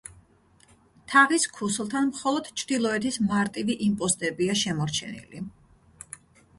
თაღის ქუსლთან მხოლოდ ჩრდილოეთის მარტივი იმპოსტებია შემორჩენილი.